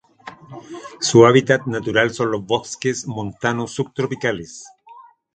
Su hábitat natural son los bosques montanos subtropicales.